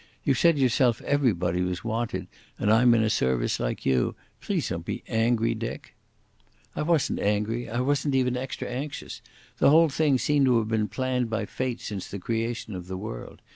You said yourself everybody was wanted, and I'm in a Service like you. Please don't be angry, Dick." I wasn't angry, I wasn't even extra anxious. The whole thing seemed to have been planned by fate since the creation of the world.